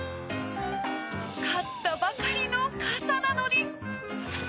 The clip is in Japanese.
買ったばかりの傘なのに。